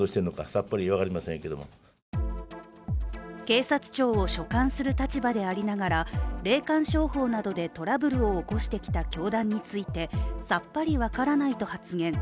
警察庁を所管する立場でありながら霊感商法などでトラブルを起こしてきた教団についてさっぱり分からないと発言。